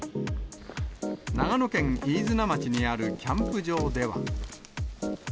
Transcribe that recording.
長野県飯綱町にあるキャンプ場では。